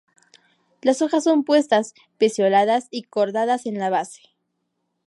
Las hojas son opuestas, pecioladas y cordadas en la base.